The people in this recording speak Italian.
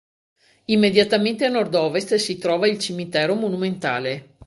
Immediatamente a nord-ovest si trova il Cimitero Monumentale.